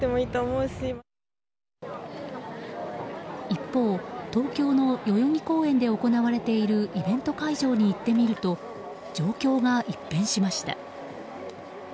一方、東京の代々木公園で行われているイベント会場に行ってみると状況が一変しました。